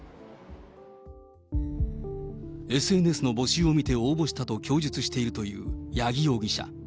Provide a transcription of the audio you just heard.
ＳＮＳの募集を見て応募したと供述しているという八木容疑者。